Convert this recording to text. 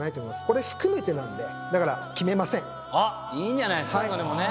これ含めてなんでだからいいんじゃないんですかそれもね。